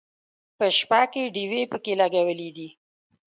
په شپه کې ډیوې پکې لګولې دي.